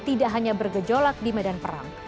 tetapi juga membuatnya bergejolak di medan perang